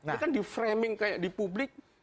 itu kan di framing kayak di publik